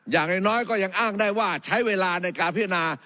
อย่างน้อยก็ยังอ้างได้ว่าใช้เวลาในการพิจารณา